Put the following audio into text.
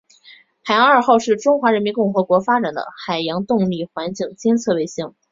海洋二号是中华人民共和国发展的海洋动力环境监测卫星。